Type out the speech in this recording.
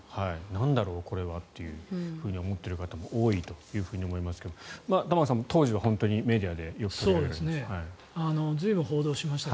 なんだろうこれはと思っている方も多いと思いますが玉川さん、当時は本当にメディアでよく見ました。